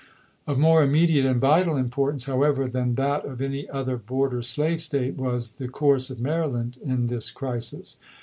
.. ^^g'JJ'g^^o^ Of more immediate and vital importance, how voll, doc ever, than that of any other border slave State, "p^Tss!" was the course of Maryland in this crisis.